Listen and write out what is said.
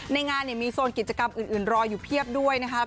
ในงานมีโซนกิจกรรมอื่นรออยู่เพียบด้วยนะคะ